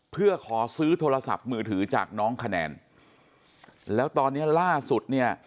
เพื่อขอซื้อโทรศัพท์มือถือจากน้องคะแนนแล้วตอนนี้ล่าสุดเนี่ย